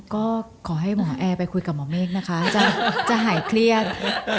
ก็ขอให้หมอแอร์ไปคุยกับหมอเมฆนะคะจะหายเครียด